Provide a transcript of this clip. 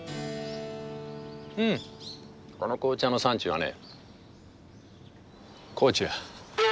うんこの紅茶の産地はね高知や！